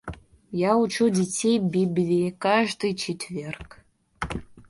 Я учу детей Библии каждый четверг.